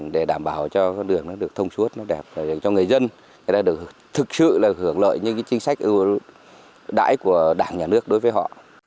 để đảm bảo cho đường được thông suốt cho người dân được thực sự hưởng lợi như chính sách đải của đảng nhà nước đối với họ